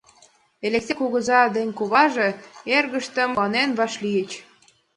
Элексей кугыза ден куваже эргыштым куанен вашлийыч.